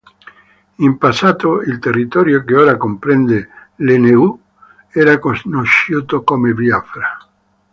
In passato il territorio che ora comprende l'Enugu era conosciuto come Biafra.